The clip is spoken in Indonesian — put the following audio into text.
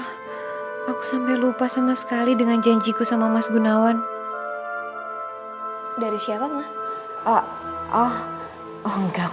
hai ya allah aku sampai lupa sama sekali dengan janjiku sama mas gunawan dari siapa ma oh oh enggak